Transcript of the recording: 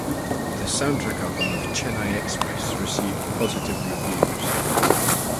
The soundtrack album of "Chennai Express" received positive reviews.